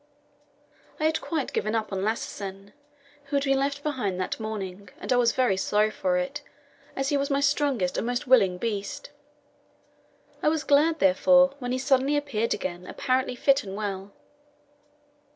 I had quite given up Lassesen, who had been left behind that morning, and I was very sorry for it, as he was my strongest and most willing beast. I was glad, therefore, when he suddenly appeared again, apparently fit and well.